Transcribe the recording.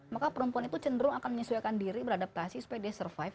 maka perempuan itu cenderung akan menyesuaikan diri beradaptasi supaya dia survive